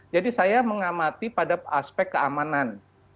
jadi saya mengamati pada aspek keamanan